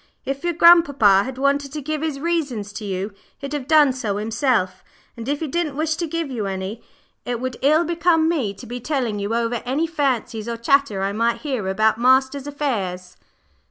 "If your grandpapa had wanted to give his reasons to you, he'd have done so himself; and if he didn't wish to give you any, it would ill become me to be telling you over any fancies or chatter I might hear about master's affairs."